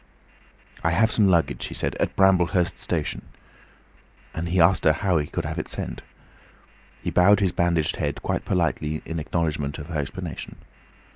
"I have some luggage," he said, "at Bramblehurst station," and he asked her how he could have it sent. He bowed his bandaged head quite politely in acknowledgment of her explanation.